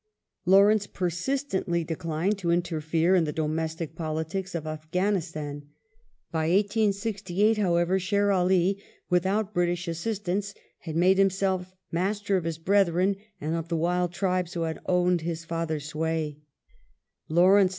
Lawrence persistently declined to interfere in the domestic politics of Afghanistan. By 1868, however, Sher Ali, without British assistance, had made himself master of his brethren and of the wild tribes who had owned his father's sway, l^awrence, there ^ Roberts, Forty one Years, u.